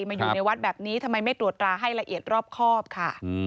มาอยู่ในวัดแบบนี้ทำไมไม่ตรวจราให้ละเอียดรอบครอบค่ะ